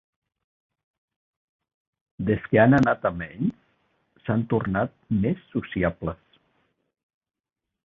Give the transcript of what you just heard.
Des que han anat a menys, s'han tornat més sociables.